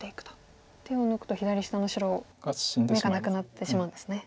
手を抜くと左下の白眼がなくなってしまうんですね。